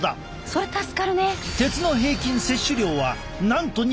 それ助かるね。